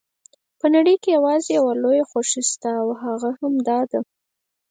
په نړۍ کې یوازې یوه لویه خوښي شته او هغه دا ده.